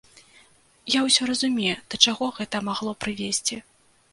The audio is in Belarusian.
Я ўсё разумею, да чаго гэта магло прывесці.